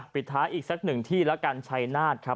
ปิดท้ายอีกสักหนึ่งที่แล้วกันชัยนาธครับ